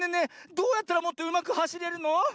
どうやったらもっとうまくはしれるの？